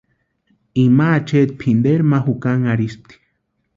Ima acheeti pʼinteri ma jukanharhispti.